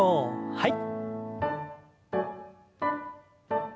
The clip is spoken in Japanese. はい。